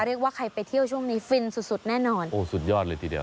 เรียกว่าใครไปเที่ยวช่วงนี้ฟินสุดสุดแน่นอนโอ้สุดยอดเลยทีเดียว